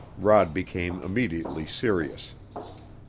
Rod became immediately serious.